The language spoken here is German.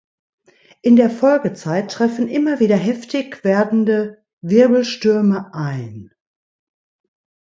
In der Folgezeit treffen immer wieder heftig werdende Wirbelstürme ein.